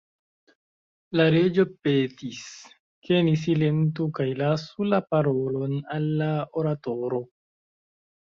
La Reĝo petis, ke ni silentu kaj lasu la parolon al la oratoro.